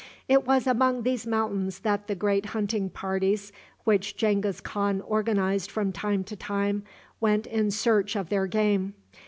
It was among these mountains that the great hunting parties which Genghis Khan organized from time to time went in search of their game.